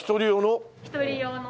一人用の？